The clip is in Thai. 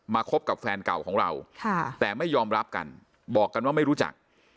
คบกับแฟนเก่าของเราแต่ไม่ยอมรับกันบอกกันว่าไม่รู้จัก